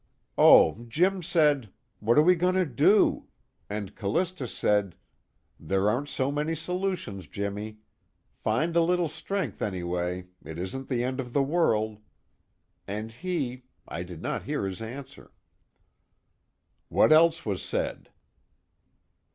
"Oh Jim said: 'What are we going to do?' And Callista said: 'There aren't so many solutions, Jimmy. Find a little strength anyway, it isn't the end of the world.' And he I did not hear his answer." "What else was said?"